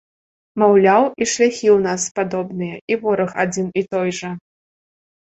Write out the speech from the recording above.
Маўляў, і шляхі ў нас падобныя, і вораг адзін і той жа.